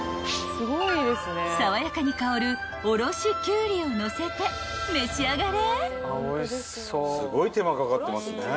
［爽やかに香るおろしきゅうりをのせて召し上がれ］